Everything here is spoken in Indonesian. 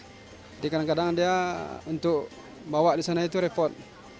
jadi kadang kadang dia untuk bawa di sana itu repot